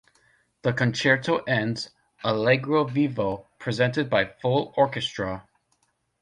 The concerto ends "allegro vivo" presented by full orchestra.